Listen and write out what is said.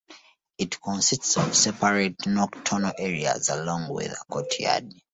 It consists of separate nocturnal areas along with a courtyard.